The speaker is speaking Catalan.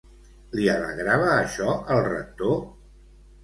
Li alegrava això al Rector?